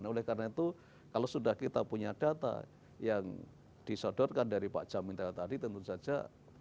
oleh karena itu kalau sudah kita punya data yang disodorkan dari pak jamin tadi tentu saja